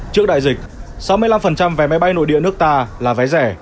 trước đại dịch sáu mươi năm vé máy bay nội địa nước ta là vé rẻ